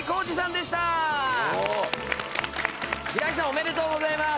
おめでとうございます。